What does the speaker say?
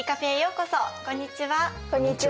こんにちは。